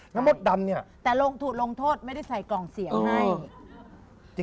มดดำเนี่ยแต่ลงถูกลงโทษไม่ได้ใส่กล่องเสียงให้